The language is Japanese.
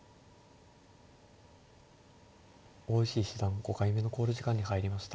大石七段５回目の考慮時間に入りました。